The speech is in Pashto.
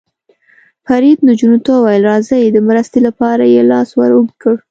فرید نجونو ته وویل: راځئ، د مرستې لپاره یې لاس ور اوږد کړ.